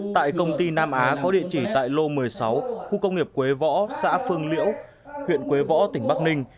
tại công ty nam á có địa chỉ tại lô một mươi sáu khu công nghiệp quế võ xã phương liễu huyện quế võ tỉnh bắc ninh